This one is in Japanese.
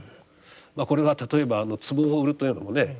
これは例えば壺を売るというのもね